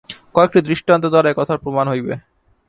কয়েকটি দৃষ্টান্ত দ্বারা এ কথার প্রমাণ হইবে।